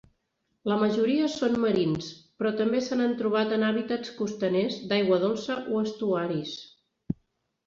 La majoria són marins, però també se n'han trobat en hàbitats costaners d'aigua dolça o estuaris.